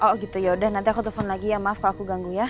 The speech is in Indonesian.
oh gitu yaudah nanti aku telepon lagi ya maaf kalau aku ganggu ya